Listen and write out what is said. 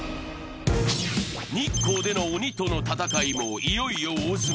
日光での鬼との戦いもいよいよ大詰め。